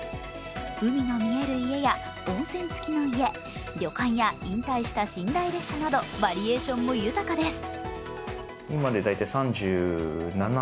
海の見える家や温泉付きの家、旅館や引退した寝台列車などバリエーションも豊かです。